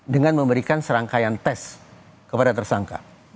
dengan memberikan serangkaian tes kepada tersangka